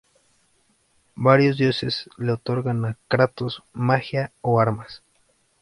Varios dioses le otorgan a Kratos magia o armas.